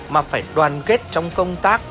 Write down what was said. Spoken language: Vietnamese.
mà phải đoàn kết trong công tác